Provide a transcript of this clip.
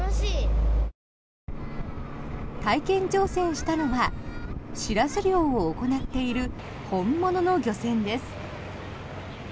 体験乗船したのはシラス漁を行っている本物の漁船です。